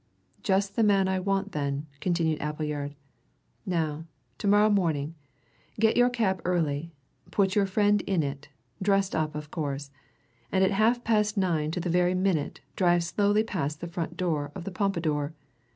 "Just the man I want, then," continued Appleyard. "Now, to morrow morning, get your cab early put your friend in it dressed up, of course and at half past nine to the very minute drive slowly past the front door of the Pompadour.